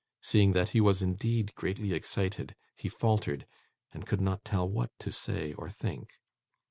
Seeing that he was indeed greatly excited, he faltered, and could not tell what to say or think.